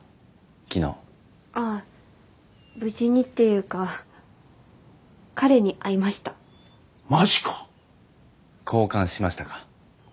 昨日あっ無事にっていうか彼に会いましたマジか交換しましたか？